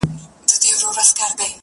مه یې را کوه د هضمېدلو توان یې نلرم-